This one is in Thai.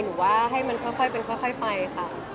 หรือว่าให้มันค่อยเป็นค่อยไปค่ะ